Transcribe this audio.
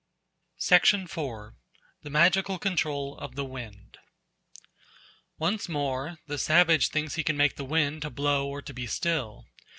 4. The Magical Control of the Wind ONCE more, the savage thinks he can make the wind to blow or to be still.